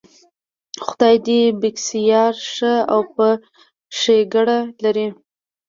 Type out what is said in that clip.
خدای دې بېکسیار ښه او په ښېګړه لري.